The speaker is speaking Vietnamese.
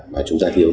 mà chúng ta hiểu